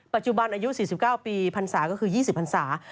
ปัจจุบันอายุ๔๙ปีพรรษาก็คือ๒๐พันศา